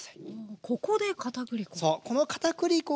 ここでかたくり粉。